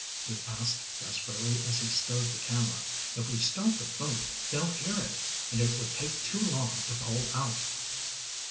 he asked desperately as he stowed the camera. "If we start the boat, they'll hear it, and it would take too long to pole out."